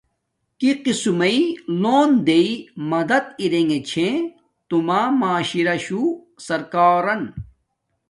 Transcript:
کی قسم میے لونݣ دݵ مدد ارگے چھے توما معاشراشوں سرکارن،